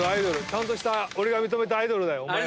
ちゃんとした俺が認めたアイドルだよ。